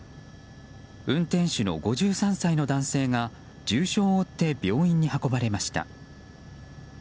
運転手の５３歳の男性が重傷を負って病院に運ばれました。